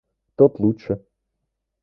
Тот лучше.